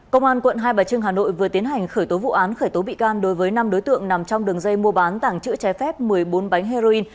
công an quận hai bà trưng hà nội vừa tiến hành khởi tố vụ án khởi tố bị can đối với năm đối tượng nằm trong đường dây mua bán tảng chữ trái phép một mươi bốn bánh heroin